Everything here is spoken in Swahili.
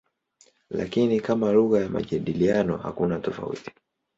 Lakini kama lugha ya majadiliano hakuna tofauti.